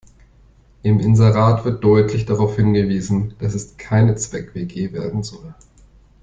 Im Inserat wird deutlich darauf hingewiesen, dass es keine Zweck-WG werden soll.